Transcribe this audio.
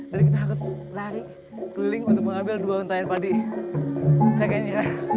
dan kita harus lari ke link untuk mengambil dua mentahin padi